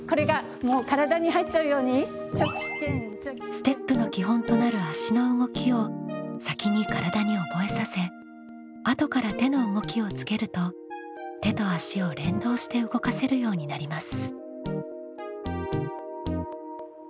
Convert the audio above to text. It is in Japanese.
ステップの基本となる足の動きを先に体に覚えさせあとから手の動きをつけると手と足を連動して動かせるようになります。